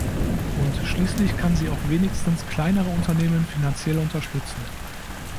Und schließlich kann sie auch wenigstens kleinere Unternehmen finanziell unterstützen.